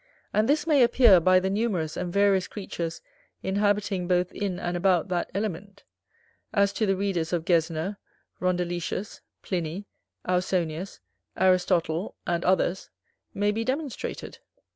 And this may appear, by the numerous and various creatures inhabiting both in and about that element; as to the readers of Gesner, Rondeletius, Pliny, Ausonius, Aristotle, and others, may be demonstrated.